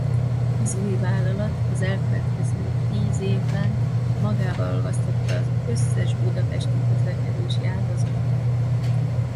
Az új vállalat az elkövetkező tíz évben magába olvasztotta az összes budapesti közlekedési ágazatot.